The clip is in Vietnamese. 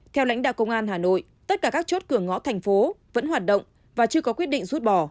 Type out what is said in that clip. theo lãnh đạo công an hà nội tất cả các chốt cửa ngõ thành phố vẫn hoạt động và chưa có quyết định rút bỏ